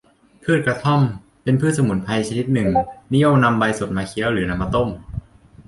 พืชกระท่อม เป็นพืชสมุนไพรชนิดหนึ่ง นิยมนำใบสดมาเคี้ยว หรือนำมาต้ม